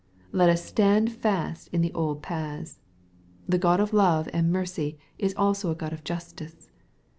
Let us «tand fast in the old paths. The God of love and mercy is also a God of justice.